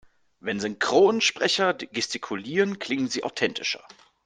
Wenn Synchronsprecher gestikulieren, klingen sie authentischer.